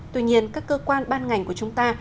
tuy nhiên các cơ quan ban ngành của chúng ta